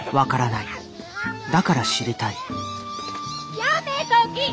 やめとき！